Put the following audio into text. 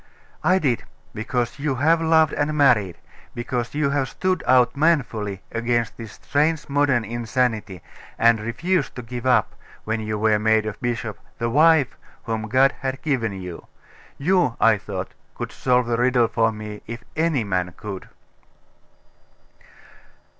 'I did, because you have loved and married; because you have stood out manfully against this strange modern insanity, and refused to give up, when you were made a bishop, the wife whom God had given you. You, I thought, could solve the riddle for me, if any man could.